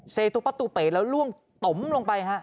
เซตุประตูเป๋แล้วล่วงตมลงไปฮะ